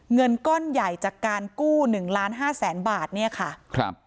เงินก้อนใหญ่จากการกู้หนึ่งล้านห้าแสนบาทเนี่ยค่ะครับ